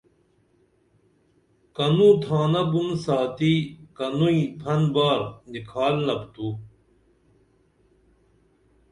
کنو تھانہ بُن ساتی کنوئی پھن بار نِکھالنپ تو